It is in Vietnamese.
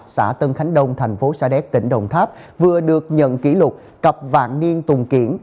xã tân khánh đông thành phố sa đéc tỉnh đồng tháp vừa được nhận kỷ lục cặp vạn niên tùng kiển